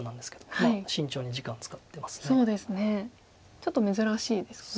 ちょっと珍しいですかね。